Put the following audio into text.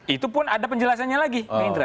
itu pun ada penjelasannya lagi